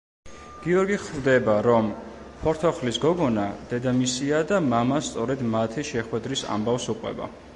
გეორგი ხვდება, რომ „ფორთოხლის გოგონა“ დედამისია და მამა სწორედ მათი შეხვედრის ამბავს უყვება.